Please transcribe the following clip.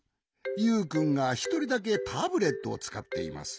ユウくんがひとりだけタブレットをつかっています。